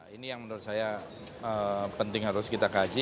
ini yang menurut saya penting harus kita kaji